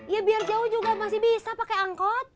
ya biar jauh juga masih bisa pakai angkot